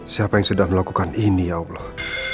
siapa yang sudah melakukan ini ya allah